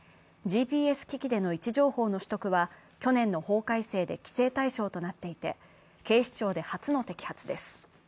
ＧＰＳ機器での位置情報の取得は去年の法改正で規制対象となっていて、警視庁で初の摘発です。